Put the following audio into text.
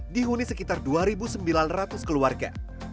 dihuni sekitar dua sembilan ratus keluarga